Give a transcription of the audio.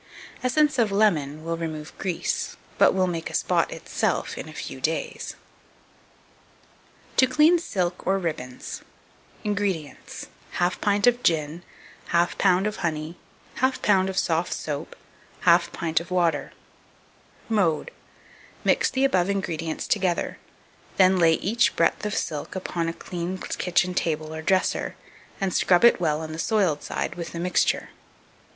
2274. Essence of Lemon will remove grease, but will make a spot itself in a few days. To clean Silk or Ribbons. 2275. INGREDIENTS. 1/2 pint of gin, 1/2 lb. of honey, 1/2 lb. of soft soap, 1/2 pint of water. Mode. Mix the above ingredients together; then lay each breadth of silk upon a clean kitchen table or dresser, and scrub it well on the soiled side with the mixture.